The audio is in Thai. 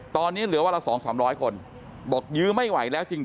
ตอนนี้เหลือวันละ๒๓๐๐คนบอกยื้อไม่ไหวแล้วจริง